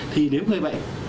thì nếu người bệnh